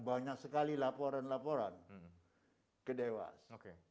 banyak sekali laporan laporan ke dewas